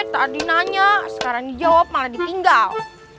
tadi nanya sekarang jawab malah ditinggal